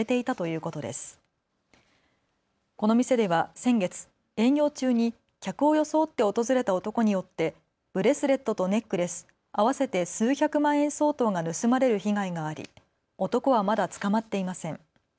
この店では先月、営業中に客を装って訪れた男によってブレスレットとネックレス合わせて数百万円相当が盗まれる被害があり男はまだ捕まっていません。